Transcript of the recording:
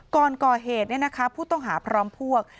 ก่อนก่อเหตุผู้ต้องหาพร้อมพวก